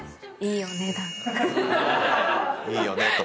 「いいよね」と。